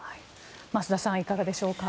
増田さんはいかがでしょうか？